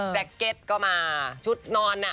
แจ็กโก้ดก็มซีชุดนอน